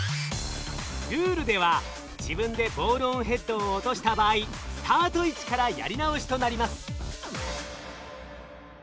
ルールでは自分でボールオンヘッドを落とした場合スタート位置からやり直しとなります。